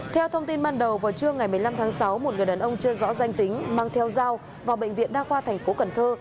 theo thông tin ban đầu vào trưa ngày một mươi năm tháng sáu một người đàn ông chưa rõ danh tính mang theo dao vào bệnh viện đa khoa thành phố cần thơ